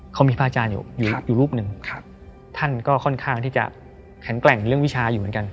เขามีพระอาจารย์อยู่อยู่รูปหนึ่งท่านก็ค่อนข้างที่จะแข็งแกร่งเรื่องวิชาอยู่เหมือนกัน